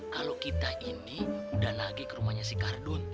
kalau kita ini udah nagi ke rumahnya si kardun